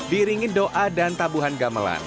diringin doa dan tabuhan gamelan